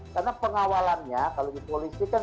karena pengawalannya kalau dipolisikan